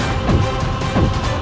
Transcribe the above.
aku akan menang